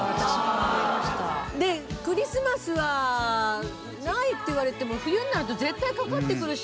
でクリスマスはないって言われても冬になると絶対かかってくるし。